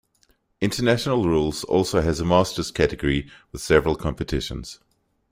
International rules also has a masters category with several competitions.